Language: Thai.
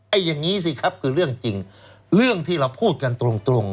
อย่างนี้สิครับคือเรื่องจริงเรื่องที่เราพูดกันตรงตรง